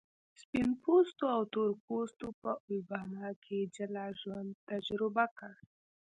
سپین پوستو او تور پوستو په الاباما کې جلا ژوند تجربه کړ.